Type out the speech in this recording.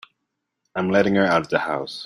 I'm letting her out of the house.